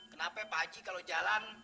kenapa pak haji kalau berjalan